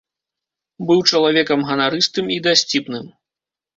Быў чалавекам ганарыстым і дасціпным.